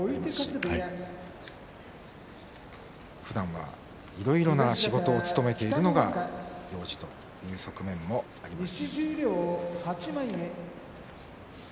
ふだんは、いろいろな仕事を務めているのは行司という側面もあります。